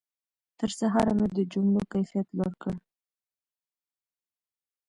تر سهاره مې د جملو کیفیت لوړ کړ.